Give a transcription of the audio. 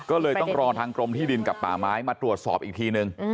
ก็เลยต้องรอทางกรมที่ดินกับป่าไม้มาตรวจสอบอีกทีนึง